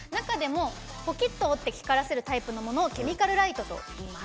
ポキッと折って光らせるタイプのものをケミカルライトといいます。